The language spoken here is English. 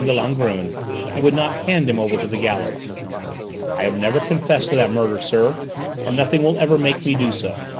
de Langrune and would not hand him over to the gallows. I have never confessed to that murder, sir, and nothing will ever make me do so.